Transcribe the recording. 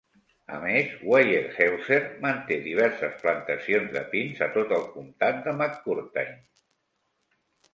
A més, Weyerhaeuser manté diverses plantacions de pins a tot el comtat de McCurtain.